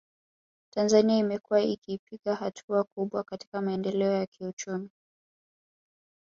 Tanzania imekuwa ikipiga hatua kubwa katika maendeleo ya kiuchumi